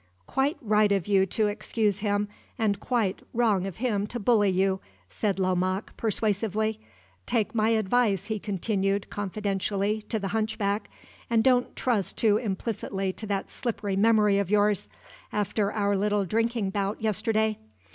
"Quite right of you to excuse him, and quite wrong of him to bully you," said Lomaque, persuasively. "Take my advice," he continued, confidentially, to the hunchback, "and don't trust too implicitly to that slippery memory of yours, after our little drinking bout yesterday.